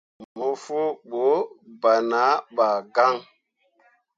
Mo fu ɓu ban ah ɓa gaŋ.